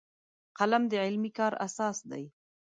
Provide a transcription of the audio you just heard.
قلم د علمي کار اساس دی